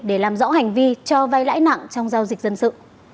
để làm rõ hành vi cho vay lãi nặng trong giao dịch dân sự